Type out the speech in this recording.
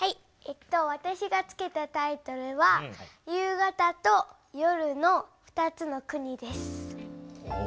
わたしが付けたタイトルは「夕方と夜の２つの国」です。